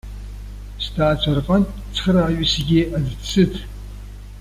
Сҭаацәа рҟынтә цхырааҩысгьы аӡәы дсыҭ.